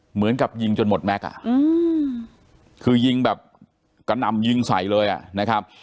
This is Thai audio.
เหมือนกับยิงจนหมดแม็กซ์อ่ะคือยิงแบบกระหน่ำยิงใส่เลยอ่ะนะครับ